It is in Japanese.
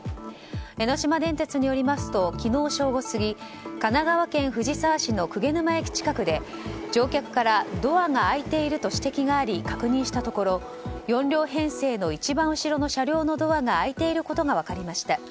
江ノ島電鉄によりますと昨日正午過ぎ神奈川県藤沢市の鵠沼駅近くで乗客からドアが開いていると指摘があり確認したところ、４両編成の一番後ろの車両のドアが開いていることが分かりました。